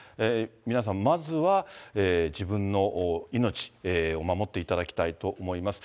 皆さん、まずは自分の命を守っていただきたいと思います。